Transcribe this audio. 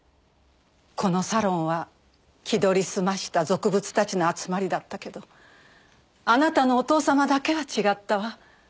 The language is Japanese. このサロンは気取り澄ました俗物たちの集まりだったけどあなたのお父様だけは違ったわ。